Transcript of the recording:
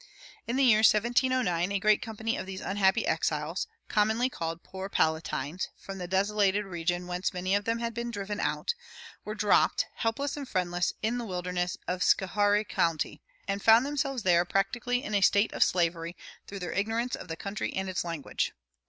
In the year 1709 a great company of these unhappy exiles, commonly called "poor Palatines" from the desolated region whence many of them had been driven out, were dropped, helpless and friendless, in the wilderness of Schoharie County, and found themselves there practically in a state of slavery through their ignorance of the country and its language.